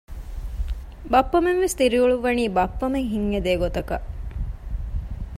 ބައްޕަމެން ވެސް ދިރިއުޅުއްވަނީ ބައްޕަމެން ހިތް އެދޭ ގޮތަކަށް